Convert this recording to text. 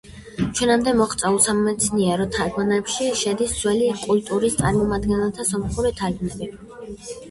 ჩვენამდე მოღწეულ სამეცნიერო თარგმანებში შედის ძველი კულტურის წარმომადგენელთა სომხური თარგმანები.